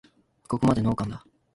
ここまでノーカンだ